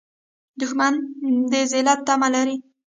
دښمن د ذلت تمه لري